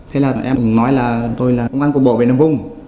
thế là em nói là tôi là công an công bộ về nằm vùng